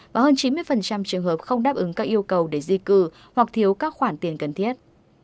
và hơn chín mươi trường hợp không đáp ứng các yêu cầu để di cư hoặc thiếu các khoản tiền cần thiết